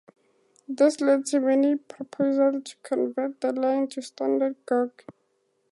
This led to many proposals to convert the line to standard gauge.